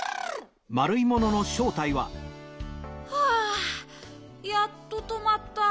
はあやっととまった。